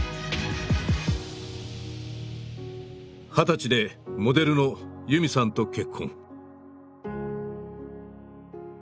二十歳でモデルの裕美さんと結婚。